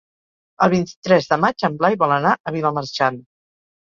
El vint-i-tres de maig en Blai vol anar a Vilamarxant.